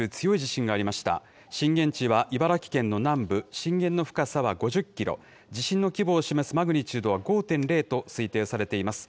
震源地は茨城県の南部、震源の深さは５０キロ、地震の規模を示すマグニチュードは、５．０と推定されています。